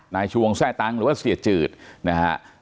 ชวงแทร่ตั้งหรือว่าเสียจืดนะฮะ